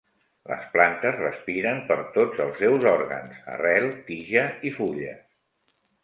Les plantes respiren per tots els seus òrgans: arrel, tija i fulles.